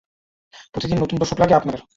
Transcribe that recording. প্রতিদিন নতুন তোষক লাগে আপনাদের!